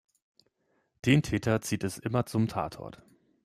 Den Täter zieht es immer zum Tatort.